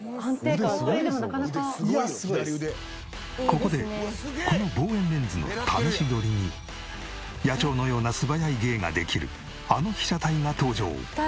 ここでこの望遠レンズの試し撮りに野鳥のような素早い芸ができるあの被写体が登場！